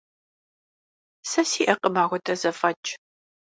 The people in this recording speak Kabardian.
Сэ сиӀэкъым апхуэдэ зэфӀэкӀ.